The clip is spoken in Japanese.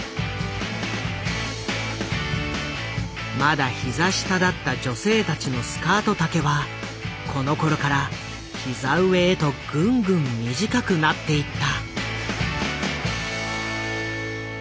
まだ膝下だった女性たちのスカ―ト丈はこのころから膝上へとぐんぐん短くなっていった。